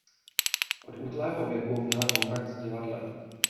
Od útlého věku měla kontakt s divadlem.